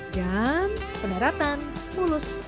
dan pendaratan mulus dilakukan